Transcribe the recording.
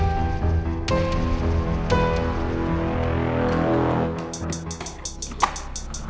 masuk ke mobil